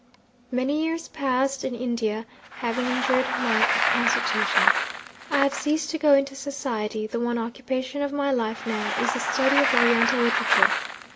"Many years passed in India have injured my constitution. I have ceased to go into society; the one occupation of my life now is the study of Oriental literature.